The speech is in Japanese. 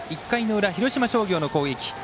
１回の裏、広島商業の攻撃。